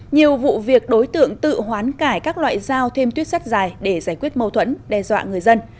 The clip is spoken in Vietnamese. nhiều vụ việc đối tượng tự hoán cải các loại dao thêm tuyết sắt dài để giải quyết mâu thuẫn đe dọa người dân